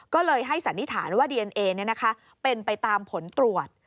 ก็เลยให้สันนิษฐานว่าดีเอนเอเป็นไปตามผลตรวจ